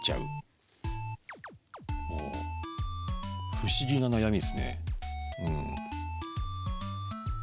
不思議な悩みですね。